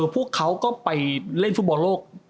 พวกเขาก็ไปเล่นฟุตบอลโลก